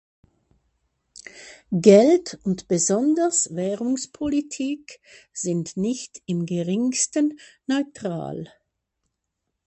Geld und besonders Währungspolitik sind nicht im geringsten neutral.